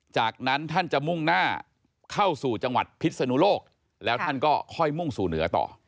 จากนั้นท่านจะมุ่งหน้าเข้าสู่จังหวัดพิษนุโลกแล้วท่านก็ค่อยมุ่งสู่เหนือต่อ